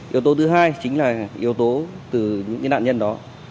yếu tố thứ hai chính là yếu tố từ những nạn nhân đó